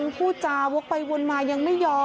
พูดจาวกไปวนมายังไม่ยอมแบบนี้